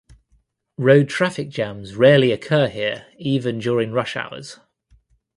Road traffic jams rarely occur here even during rush hours.